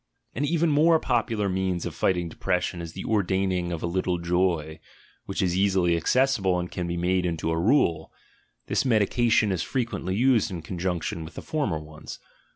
An even more popular means of fighting depression is die ordaining of a little joy, which is easily accessible and can be made into a rule; this medication is frequently used in conjunction with the former ones.